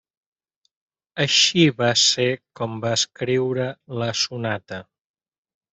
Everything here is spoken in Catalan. Així va ser com va escriure la Sonata.